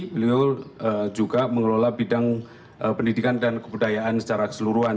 beliau juga mengelola bidang pendidikan dan kebudayaan secara keseluruhan